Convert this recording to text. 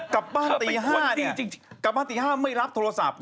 กลับบ้านตีห้าไม่รับโทรศัพท์